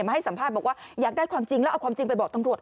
ให้สัมภาษณ์บอกว่าอยากได้ความจริงแล้วเอาความจริงไปบอกตำรวจ